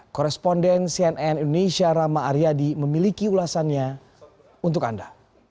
koresponden cnn indonesia rama aryadi memiliki ulasannya untuk anda